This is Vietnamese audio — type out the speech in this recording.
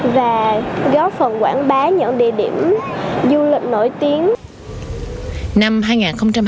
và góp phần quảng bá những địa điểm du lịch nổi tiếng